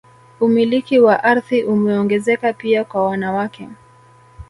Umiliki wa ardhi umeongezeka pia kwa wanawake